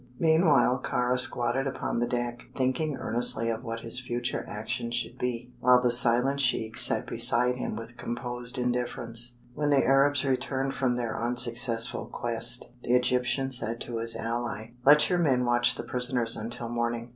Meanwhile Kāra squatted upon the deck, thinking earnestly of what his future action should be, while the silent sheik sat beside him with composed indifference. When the Arabs returned from their unsuccessful quest, the Egyptian said to his ally: "Let your men watch the prisoners until morning.